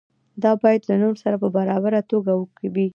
دا باید له نورو سره په برابره توګه وي.